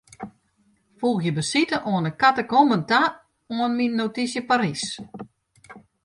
Foegje besite oan 'e katakomben ta oan myn notysje Parys.